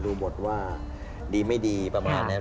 ดูหมดว่าดีไม่ดีประมาณนั้น